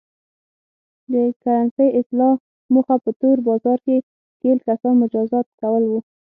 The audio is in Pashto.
د کرنسۍ اصلاح موخه په تور بازار کې ښکېل کسان مجازات کول و.